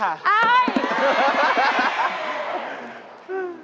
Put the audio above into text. อ้ายยย้